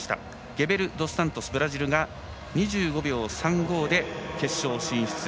ゲベルドスサントス、ブラジルが２５秒３５で決勝進出。